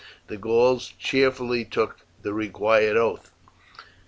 The Gauls cheerfully took the required oath.